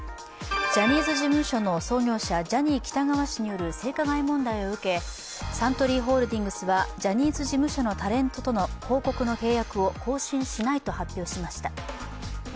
ジャニーズ事務所の創業者ジャニー喜多川氏による性加害問題を受け、サントリーホールディングスジャニーズ事務所のタレントとの広告の契約を更新しないと発表しました。